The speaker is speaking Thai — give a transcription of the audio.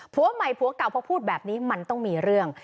ผัวใหม่ผัวเก่าพอพูดแบบนี้มันต้องมีเรื่อง